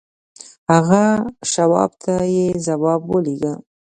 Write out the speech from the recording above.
هغه شواب ته يې ځواب ولېږه.